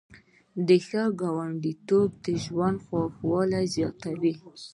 ښه ګاونډیتوب د ژوند خوږوالی زیاتوي.